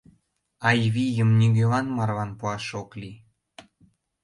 Айвийым нигӧлан марлан пуаш ок лий.